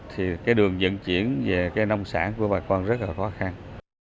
thì đường dẫn chuyển về nông sản của bà con rất là khó khăn